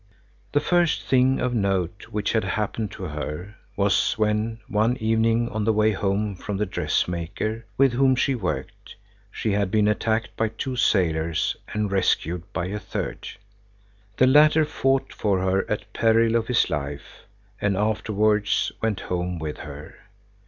The first thing of note which had happened to her was when, one evening on the way home from the dressmaker with whom she worked, she had been attacked by two sailors and rescued by a third. The latter fought for her at peril of his life and afterwards went home with her.